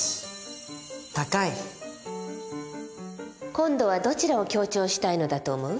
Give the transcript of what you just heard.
今度はどちらを強調したいのだと思う？